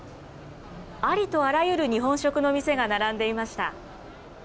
ありとあらゆる日本食の店が並んでいました。